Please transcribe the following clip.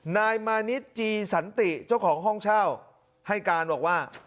นายมานิดจีสันติเจ้าของห้องเช่าให้การบอกว่า